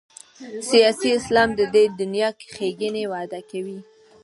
سیاسي اسلام د دې دنیا ښېګڼې وعدې کوي.